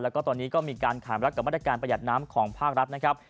แล้วก็ตอนนี้ก็มีการขามรักกับมาตรการประหยัดน้ำของภาครัฐนะครับ